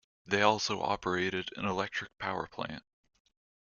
They also operated an electric power plant.